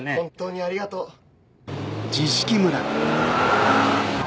本当にありがとう。